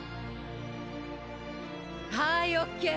はいオッケー！